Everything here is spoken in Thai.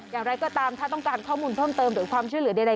อย่างไรก็ตามถ้าต้องการข้อมูลเพิ่มเติมหรือความช่วยเหลือใด